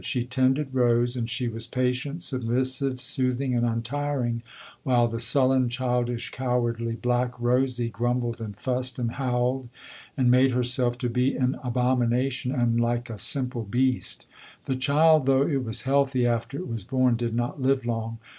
She tended Rose, and she was patient, submissive, soothing, and untiring, while the sullen, childish, cowardly, black Rosie grumbled and fussed and howled and made herself to be an abomination and like a simple beast. The child though it was healthy after it was born, did not live long.